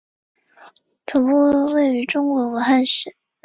中共七大正式代表。